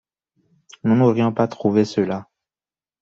Nous n’aurions pas trouvé cela !